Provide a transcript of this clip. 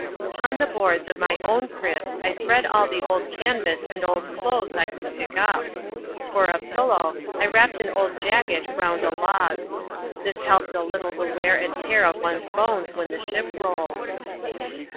Upon the boards of my own crib I spread all the old canvas and old clothes I could pick up. For a pillow, I wrapped an old jacket round a log. This helped a little the wear and tear of one's bones when the ship rolled.